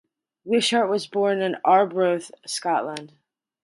Wishart was born in Arbroath, Scotland.